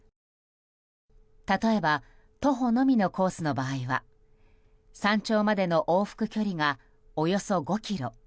例えば徒歩のみのコースの場合は山頂までの往復距離がおよそ５ｋｍ。